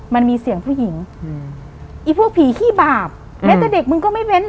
มันมีเสียงผู้หญิงอืมไอ้พวกผีขี้บาปแม้แต่เด็กมึงก็ไม่เว้น